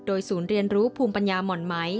ศูนย์เรียนรู้ภูมิปัญญาหม่อนไหม